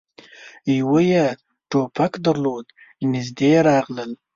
يوه يې ټوپک درلود. نږدې راغلل،